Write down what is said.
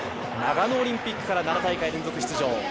長野オリンピックから７大会連続出場。